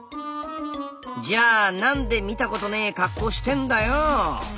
じゃあ何で見たことねえ格好してんだよ！